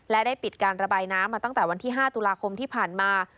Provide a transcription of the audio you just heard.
และได้ปิดการระบายน้ำมาตั้งแต่วันที่๕ตุลาคมที่ผ่านมา